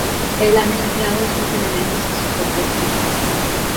Él ha mezclado estos elementos en su propio estilo.